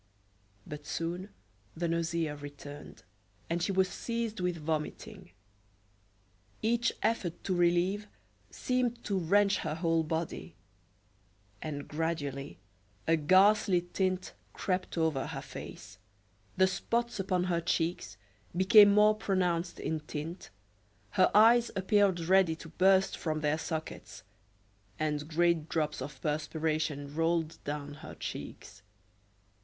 But soon the nausea returned, and she was seized with vomiting. Each effort to relieve seemed to wrench her whole body; and gradually a ghastly tint crept over her face, the spots upon her cheeks became more pronounced in tint, her eyes appeared ready to burst from their sockets, and great drops of perspiration rolled down her cheeks.